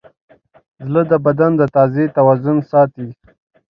زړه د بدن د تغذیې توازن ساتي.